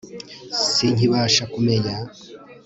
sinkibasha kumenya